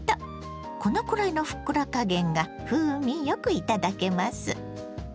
このくらいのふっくら加減が風味良くいただけます。